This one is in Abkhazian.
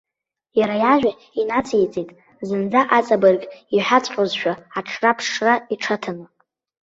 Иара иажәа инациҵеит, зынӡа аҵабырг иҳәаҵәҟьозшәа аҽраԥшра иҽаҭаны.